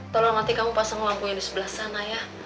tolong nanti kamu pasang lampunya di sebelah sana ya